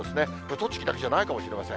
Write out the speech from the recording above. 栃木だけじゃないかもしれません。